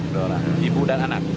dua orang ibu dan anak